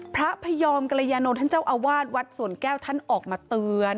พระพยอมกรยานนท์ท่านเจ้าอาวาสวัดสวนแก้วท่านออกมาเตือน